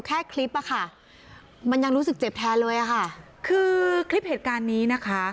แค่คลิปอ่ะค่ะมันยังรู้สึกเจ็บแทนเลยอะค่ะคือคลิปเหตุการณ์นี้นะคะ